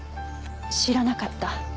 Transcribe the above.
知らなかった。